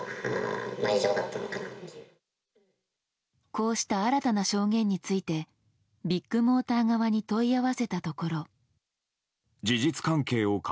こうした新たな証言についてビッグモーター側に問い合わせたところ。